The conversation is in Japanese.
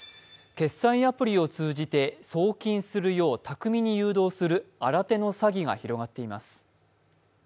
決済アプリを通じて送金するよう巧みに誘導する新手の詐欺が広まっています。